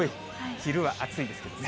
昼は暑いですけどね。